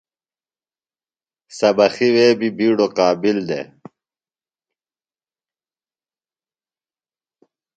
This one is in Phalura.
سبقی وے بیۡ بِیڈوۡ قابل دےۡ۔